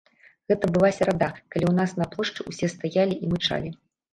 Гэта была серада, калі ў нас на плошчы ўсе стаялі і мычалі.